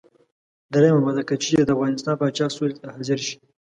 دریمه ماده: که چېرې د افغانستان پاچا سولې ته حاضر شي.